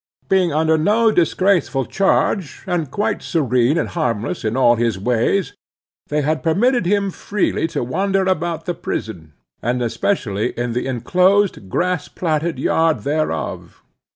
Being under no disgraceful charge, and quite serene and harmless in all his ways, they had permitted him freely to wander about the prison, and especially in the inclosed grass platted yard thereof.